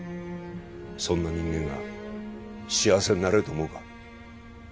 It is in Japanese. そんな人間が幸せになれると思うか？